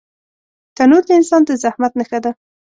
تنور د انسان د زحمت نښه ده